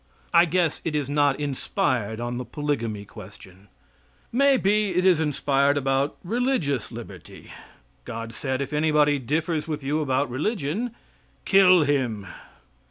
I guess it is not inspired on the polygamy question. May be it is inspired about religious liberty. God says if anybody differs with you about religion, "kill him."